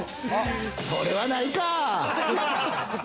それはないか。